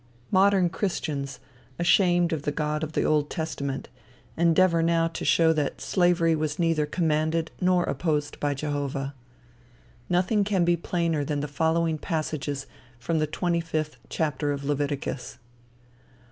Modern christians, ashamed of the God of the Old Testament, endeavor now to show that slavery was neither commanded nor opposed by Jehovah. Nothing can be plainer than the following passages from the twenty fifth chapter of Leviticus.